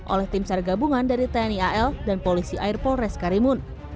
oleh tim sar gabungan dari tni al dan polisi air polres karimun